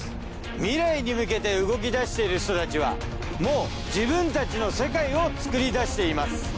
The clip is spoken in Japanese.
未来に向けて動き出している人たちはもう自分たちの世界をつくり出しています。